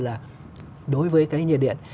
là đối với cái nhiệt điện